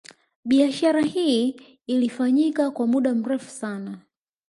Biashara hii ilifanyika kwa muda mrefu sana